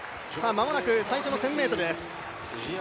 まもなく最初の１０００ｍです。